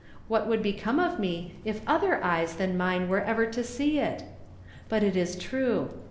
What would become of me if other eyes than mine were ever to see it? But it is true.